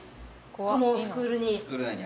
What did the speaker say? このスクールに？